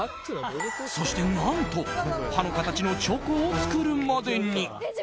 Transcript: そして、何と歯の形のチョコを作るまでに。